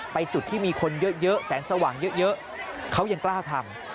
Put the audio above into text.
จุดที่มีคนเยอะแสงสว่างเยอะเขายังกล้าทำ